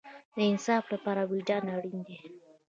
د انصاف لپاره وجدان اړین دی